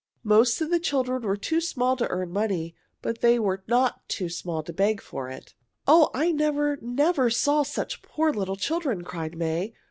Most of the children were too small to earn money, but they were not too small to beg for it. "Oh, I never, never saw such poor little children!" cried May.